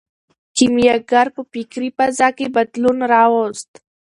کیمیاګر په فکري فضا کې بدلون راوست.